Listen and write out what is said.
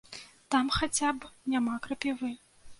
Там хаця б няма крапівы.